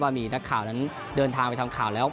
มีนักข่าวนั้นเดินทางไปทำข่าวแล้ว